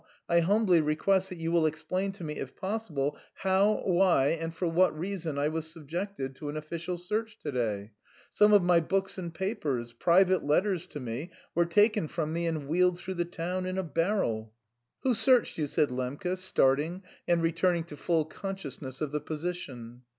I humbly request that you will explain to me if possible how, why, and for what reason I was subjected to an official search to day? Some of my books and papers, private letters to me, were taken from me and wheeled through the town in a barrow." "Who searched you?" said Lembke, starting and returning to full consciousness of the position.